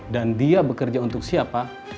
dan dia bekerja untuk siapa